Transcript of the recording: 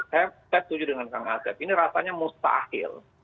saya setuju dengan kang asep ini rasanya mustahil